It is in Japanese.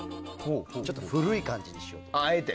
ちょっと古い感じにしようと。